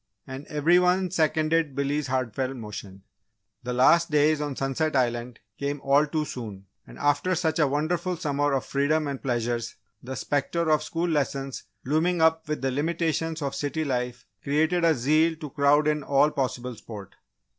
And every one seconded Billy's heartfelt motion. The last days on Sunset Island came all too soon and after such a wonderful summer of freedom and pleasures, the spectre of school lessons looming up with the limitations of city life, created a zeal to crowd in all possible sport.